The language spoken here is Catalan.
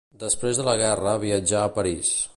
Després de la guerra viatjà a París.